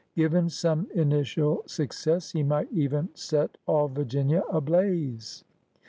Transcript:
Given some initial success, he might even set all Virginia ablaze.